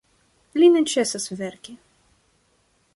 Li ne ĉesas verki.